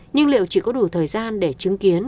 nhưng liệu chỉ có đủ thời gian để chứng kiến